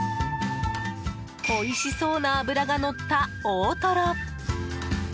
おいしそうな脂がのった大トロ！